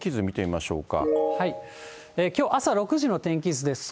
きょう朝６時の天気図です。